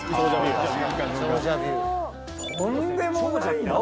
とんでもないな。